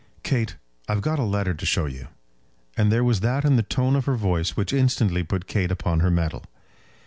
Kate, I've got a letter to show you." And there was that in the tone of her voice which instantly put Kate upon her mettle.